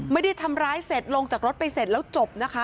ไม่ได้ทำร้ายเสร็จลงจากรถไปเสร็จแล้วจบนะคะ